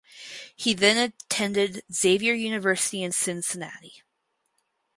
He then attended Xavier University in Cincinnati.